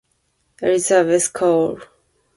Elizabeth Cole.